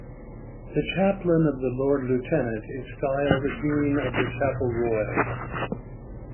The chaplain of the Lord Lieutenant is styled Dean of the Chapel Royal.